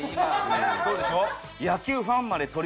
そうでしょ？